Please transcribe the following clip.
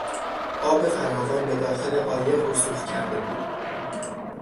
آب فراوان به داخل قایق رسوخ کرده بود.